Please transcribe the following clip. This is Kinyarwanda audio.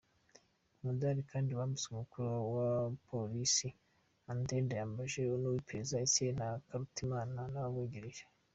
Umudari kandi wambitswe umukuru wa polisi Andre Ndayambaje, uw’iperereza Etienne Ntakarutimana n’ababungirije.